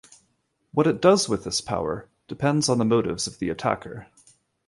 What it does with this power depends on the motives of the attacker.